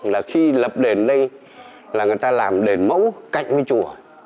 là khi lập đền đây là người ta làm đền mẫu cạnh với chùa